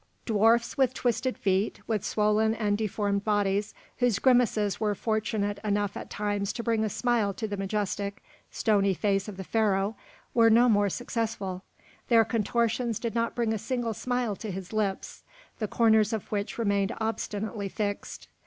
Dwarfs with twisted feet, with swollen and deformed bodies, whose grimaces were fortunate enough at times to bring a smile to the majestic, stony face of the Pharaoh, were no more successful; their contortions did not bring a single smile to his lips, the corners of which remained obstinately fixed.